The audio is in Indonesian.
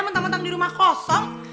mentang mentang dirumah kosong